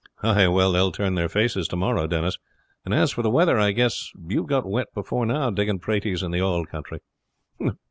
"Ah, well, they will turn their faces to morrow, Denis; and as for the weather, I guess you have got wet before now digging praties in the old country."